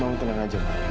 mama mau tenang aja kak